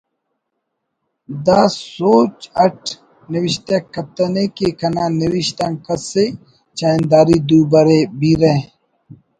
دا سوچ اٹ نوشتہ کتنے کہ کنا نوشت آن کس ءِ چاہنداری دو برے بیرہ